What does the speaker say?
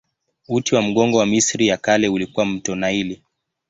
Uti wa mgongo wa Misri ya Kale ulikuwa mto Naili.